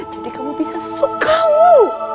jadi kamu bisa sesuk kamu